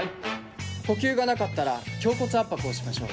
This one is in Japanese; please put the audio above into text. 呼吸がなかったら胸骨圧迫をしましょう。